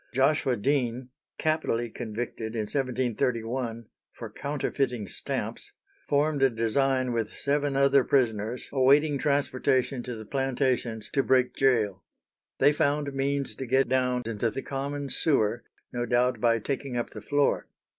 Joshua Dean, capitally convicted in 1731 for counterfeiting stamps, formed a design with seven other prisoners awaiting transportation to the plantations to break gaol. They found means to get down into the common sewer, no doubt by taking up the floor.